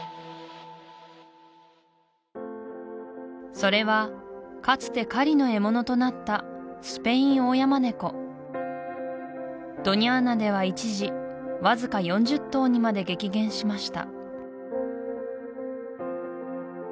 それはかつて狩りの獲物となったスペインオオヤマネコドニャーナでは一時わずか４０頭にまで激減しました